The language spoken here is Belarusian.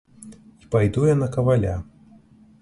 І пайду я на каваля.